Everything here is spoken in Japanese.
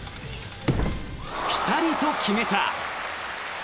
ピタリと決めた。